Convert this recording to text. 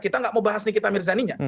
kita nggak mau bahas nikita mirzadi nya